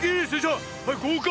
はいごうかく！